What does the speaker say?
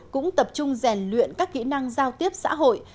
cũng tập trung rèn luyện các kỹ năng giao tiếp xã hội